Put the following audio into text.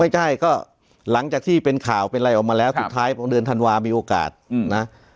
ไม่ใช่ก็หลังจากที่เป็นข่าวเป็นอะไรออกมาแล้วสุดท้ายพอเดือนธันวามีโอกาสนะ